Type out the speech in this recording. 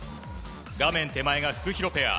画面手前がフクヒロペア。